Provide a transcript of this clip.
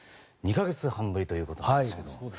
２か月半ぶりということです。